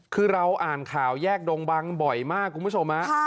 คือเราอ่านข่าวแยกดงบังบ่อยมากคุณผู้ชม